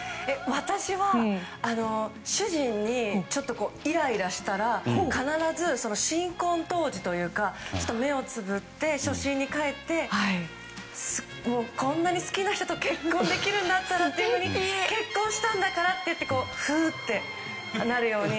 私は主人にイライラしたら必ず、新婚当時というか目をつぶって初心に帰ってこんなに好きな人と結婚できるんだったらと思って結婚したんだからと言ってふーってなるように。